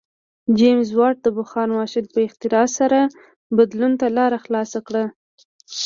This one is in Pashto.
جېمز واټ د بخار ماشین په اختراع سره بدلون ته لار پرانیسته.